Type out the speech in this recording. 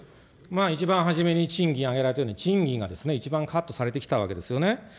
一番初めに賃金挙げられたように一番カットされてきたわけですよね。